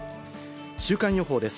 週間予報です。